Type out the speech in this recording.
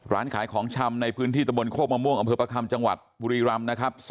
ร้านขายของชำในพื้นที่ตะบนโคกมะม่วงอำเภอประคำจังหวัดบุรีรำนะครับ